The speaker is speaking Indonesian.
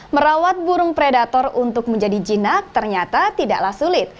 merawat burung predator untuk menjadi jinak ternyata tidaklah sulit